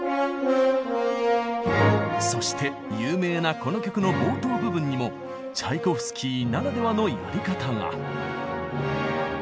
そして有名なこの曲の冒頭部分にもチャイコフスキーならではのやり方が。